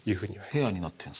ペアになってるんですね。